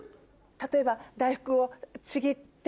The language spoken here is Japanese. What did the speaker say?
例えば。